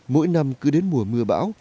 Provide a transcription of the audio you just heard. mỗi năm cứ đến mùa mưa bão